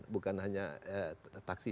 bukan hanya taksi